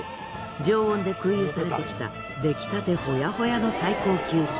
常温で空輸されてきた出来たてほやほやの最高級品。